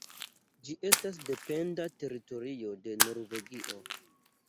Ĝi estas dependa teritorio de Norvegio.